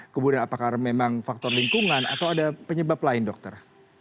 kemudian apakah memang faktor lingkungan atau ada penyebab lain dokter